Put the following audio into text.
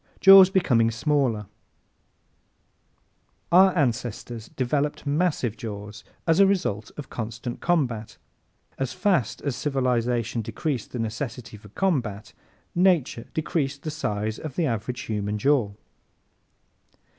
Jaws Becoming Smaller ¶ Our ancestors developed massive jaws as a result of constant combat. As fast as civilization decreased the necessity for combat Nature decreased the size of the average human jaw.